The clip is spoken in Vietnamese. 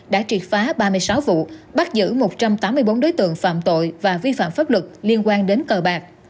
đã triệt phá ba mươi sáu vụ bắt giữ một trăm tám mươi bốn đối tượng phạm tội và vi phạm pháp luật liên quan đến cờ bạc